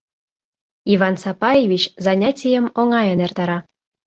Иван Сапаевич занятийым оҥайын эртара.